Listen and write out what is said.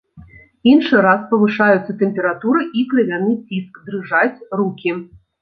Іншы раз павышаюцца тэмпература і крывяны ціск, дрыжаць рукі.